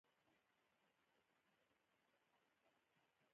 ګلداد همدومره وپوښتل: ولې بېخي.